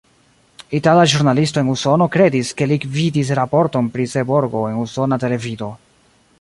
Itala ĵurnalisto en Usono kredis, ke li vidis raporton pri Seborgo en usona televido.